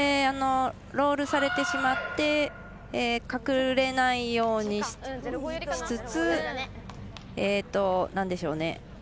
ロールされてしまって隠れないようにしつつなんでしょうね。